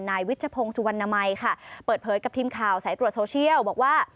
นายวิชพงศ์สุวรรณมัยค่ะเปิดเผยกับทีมข่าวสายตรวจโซเชียลบอกว่า